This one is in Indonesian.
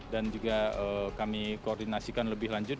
dan juga kami koordinasikan lebih lanjut